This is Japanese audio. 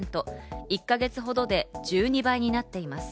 １か月ほどで１２倍になっています。